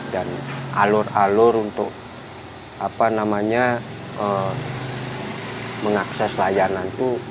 dan alur alur untuk mengakses layanan